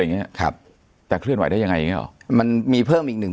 อย่างเงี้ยครับจะเคลื่อนไหวได้ยังไงอย่างเงี้หรอมันมีเพิ่มอีกหนึ่ง